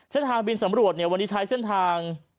เส้นทางบินสำรวจเนี่ยวันนี้ใช้เส้นทาง